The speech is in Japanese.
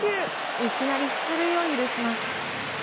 いきなり出塁を許します。